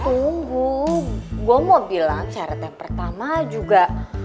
tunggu gue mau bilang cara yang pertama juga